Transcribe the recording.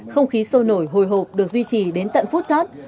không khí sôi nổi hồi hộp được duy trì đến tận phút chót